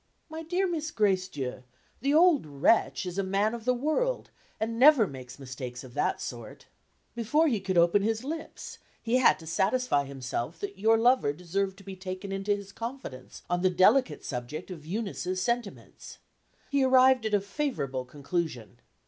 "My dear Miss Gracedieu, the old wretch is a man of the world, and never makes mistakes of that sort. Before he could open his lips, he had to satisfy himself that your lover deserved to be taken into his confidence, on the delicate subject of Eunice's sentiments. He arrived at a favorable conclusion.